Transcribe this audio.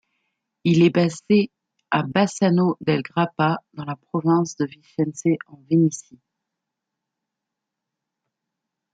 Il est basé à Bassano del Grappa dans la province de Vicence, en Vénétie.